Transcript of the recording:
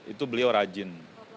itu beliau rajin